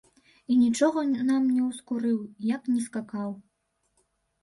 І нічога нам не ўскурыў, як ні скакаў.